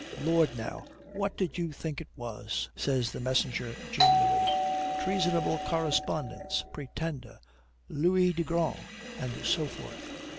"Lord, now, what did you think it was?" says the messenger genially. "Treasonable correspondence Pretender Lewis le Grand and so forth.